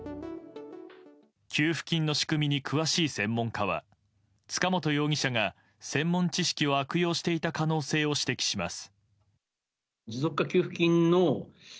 給付金の仕組みに詳しい専門家は塚本容疑者が専門知識を悪用していた可能性を指摘します。